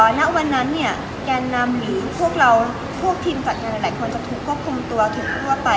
ฮนับวันนั้นแกนำหรือพวกทีมจัดงานหลายคนจะทุกข์คลุมตัวถึงทั่วไป